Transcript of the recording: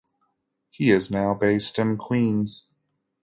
He is now based in Queens.